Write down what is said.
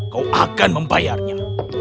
kau akan membayarnya